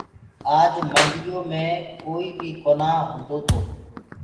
آج منڊيو مي ڪوئي بي ڪونآ هوندو تو۔